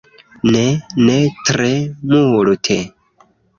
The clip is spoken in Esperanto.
Ne, ne tre multe!